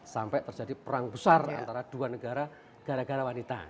sampai terjadi perang besar antara dua negara gara gara wanita